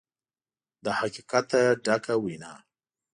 له حقیقته ډکه وینا